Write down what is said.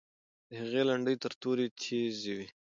د هغې لنډۍ تر تورې تیزې وې.